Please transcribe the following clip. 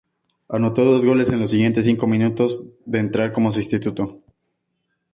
Anotó dos goles en los siguientes cinco minutos de entrar como sustituto.